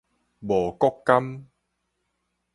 茂谷柑